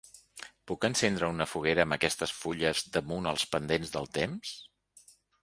Puc encendre una foguera amb aquestes fulles damunt els pendents del temps?